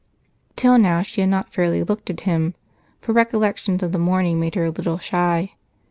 Till now she had not fairly looked at him, for recollections of the morning made her a little shy.